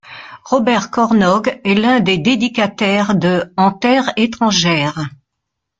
Robert Cornog est l'un des dédicataires de En terre étrangère.